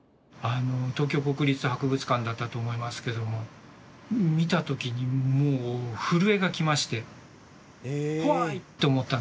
東京国立博物館だったと思いますけども見た時にもう震えが来まして怖いって思ったんですね。